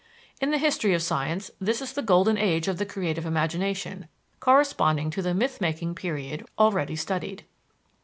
In the history of science, this is the golden age of the creative imagination, corresponding to the myth making period already studied.